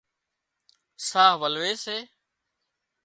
ساهَه ولوي سي